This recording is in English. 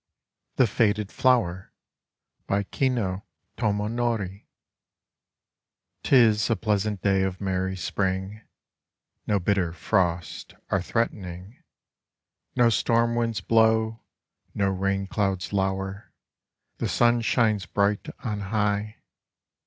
THE FADED FLOWER By Kino Tomo nori 'T IS a pleasant day of merry spring, No bitter frosts are threatening. No stormwinds blow, no rain clouds lower, The sun shines bright on high.